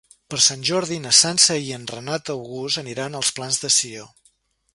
Per Sant Jordi na Sança i en Renat August aniran als Plans de Sió.